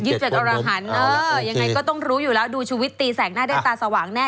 ๒๑กรมเออยังไงก็ต้องรู้อยู่แล้วดูชูวิทย์ตีแสงหน้าได้ตาสว่างแน่